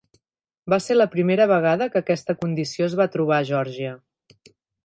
Va ser la primera vegada que aquesta condició es va trobar a Geòrgia.